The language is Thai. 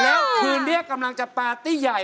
แล้วคืนนี้กำลังจะปาร์ตี้ใหญ่